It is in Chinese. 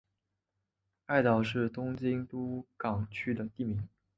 爱宕是东京都港区的地名。